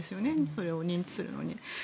それを認知するのに。